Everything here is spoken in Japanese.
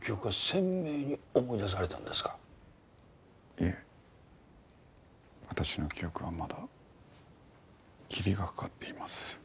いえ私の記憶はまだ霧がかかっています。